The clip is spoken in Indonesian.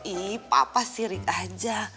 ih papa sirik aja